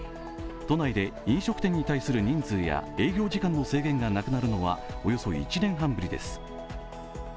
都内で飲食店に対する人数や営業時間の制限がなくなるのはおよそ１年半ぶりです。